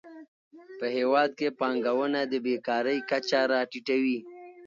په هیواد کې پانګونه د بېکارۍ کچه راټیټوي.